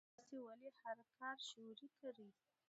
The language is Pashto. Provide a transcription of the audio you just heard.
تاسو ولې هر کال شولې کرئ؟